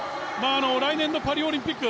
来年のパリオリンピック